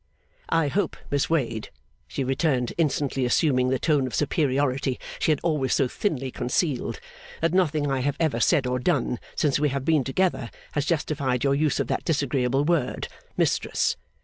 'I hope, Miss Wade,' she returned, instantly assuming the tone of superiority she had always so thinly concealed, 'that nothing I have ever said or done since we have been together, has justified your use of that disagreeable word, "Mistress."